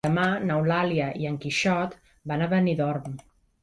Demà n'Eulàlia i en Quixot van a Benidorm.